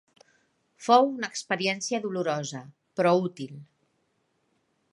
Fou una experiència dolorosa, però útil.